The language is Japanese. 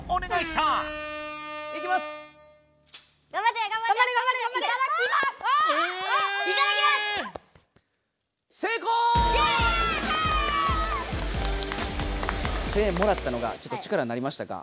せいえんをもらったのがちょっと力になりましたか？